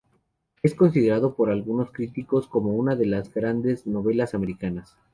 Es considerado por algunos críticos como "una de las grandes novelas americanas".